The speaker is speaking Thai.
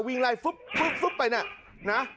วิ่งไล่ฟึ๊บฟึ๊บฟึ๊บไปเนี่ย